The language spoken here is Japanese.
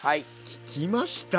聞きました？